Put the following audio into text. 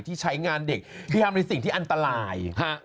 ที่ใช้งานเด็กที่ทำในสิ่งที่อันตราย